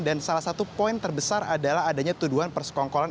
dan salah satu poin terbesar adalah adanya tuduhan persekongkolan